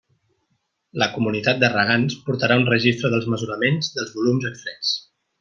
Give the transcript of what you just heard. La comunitat de regants portarà un registre dels mesuraments dels volums extrets.